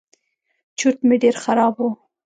چورت مې ډېر خراب و.